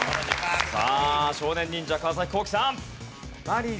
さあ少年忍者川皇輝さん。